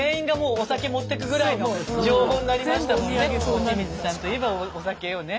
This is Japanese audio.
落水さんといえばお酒よね。